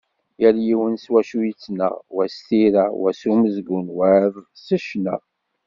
Yal yiwen s wacu yettnaɣ, wa s tira, wa s umezgun, wayeḍ s ccna.